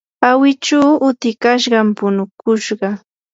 awichu utikashqami punukushqa.